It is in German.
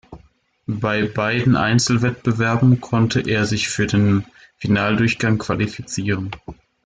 Bei beiden Einzelwettbewerben konnte er sich für den Finaldurchgang qualifizieren.